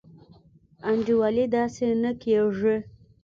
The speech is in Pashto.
انډيوالي داسي نه کيږي.